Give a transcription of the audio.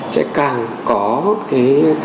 sẽ càng có cái